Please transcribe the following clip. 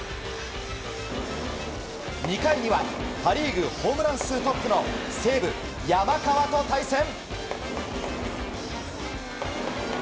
２回には、パ・リーグホームラン数トップの西武、山川と対戦。